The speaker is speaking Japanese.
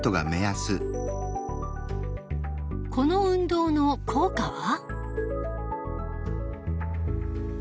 この運動の効果は？